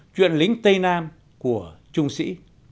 chuyện lính tây nam của trung sĩ